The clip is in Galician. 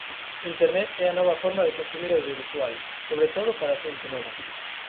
Internet é a nova forma de consumir audiovisual, sobre todo para a xente nova.